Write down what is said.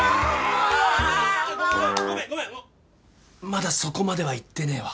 まだそこまではいってねえわ。